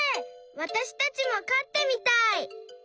わたしたちもかってみたい！